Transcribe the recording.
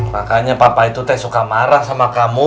makanya papa itu teh suka marah sama kamu